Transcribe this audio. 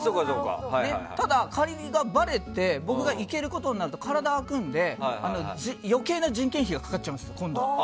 ただ、仮がバレて僕が行けることになると体が空くので余計な人件費がかかっちゃうんですよ。